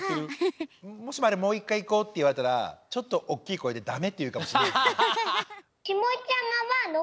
もしもあれ「もう１かいいこう」っていわれたらちょっとおっきいこえで「だめ！」っていうかもしれない。